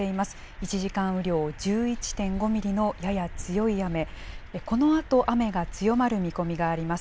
１時間雨量１１．５ミリのやや強い雨、このあと、雨が強まる見込みがあります。